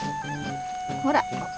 ほら！